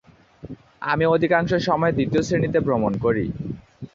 আমি অধিকাংশ সময় দ্বিতীয় শ্রেণীতে ভ্রমণ করি।